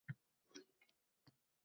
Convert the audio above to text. Seni ayollaring orasida nechanchisi edi u